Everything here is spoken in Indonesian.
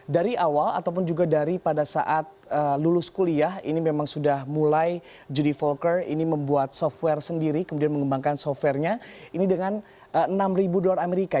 dari awal ataupun juga dari pada saat lulus kuliah ini memang sudah mulai judi volker ini membuat software sendiri kemudian mengembangkan software nya ini dengan enam ribu dolar amerika